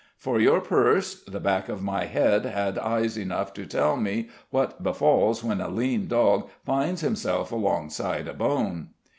For your purse, the back of my head had eyes enough to tell me what befalls when a lean dog finds himself alongside a bone."